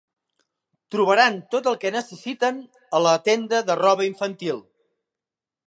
Trobaran tot el que necessiten a la tenda de roba infantil.